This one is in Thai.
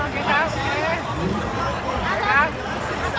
ด้วยเทียบลิฟท์